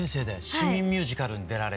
市民ミュージカルに出られて？